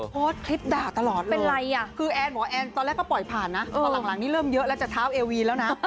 โพสต์คลิปด่าตลอดเป็นไรอ่ะคือแอนบอกว่าแอนตอนแรกก็ปล่อยผ่านนะตอนหลังนี้เริ่มเยอะแล้วจะเท้าเอวีแล้วนะ